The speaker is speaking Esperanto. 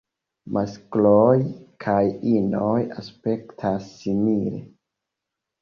Maskloj kaj inoj aspektas simile.